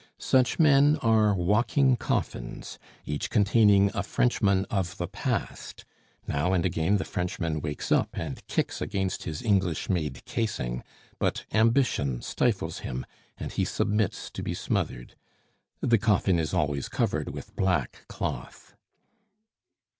Such men are walking coffins, each containing a Frenchman of the past; now and again the Frenchman wakes up and kicks against his English made casing; but ambition stifles him, and he submits to be smothered. The coffin is always covered with black cloth.